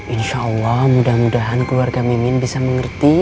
insya allah keluarga mimin bisa mudah mudahan mengerti